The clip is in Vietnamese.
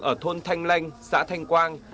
ở thôn thanh lanh xã thanh quang